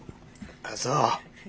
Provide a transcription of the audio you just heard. ああそう。